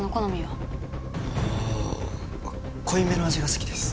うーん濃いめの味が好きです。